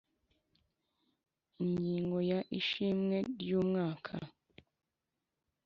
Ingingo ya Ishimwe ry umwaka